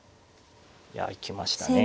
いや行きましたね。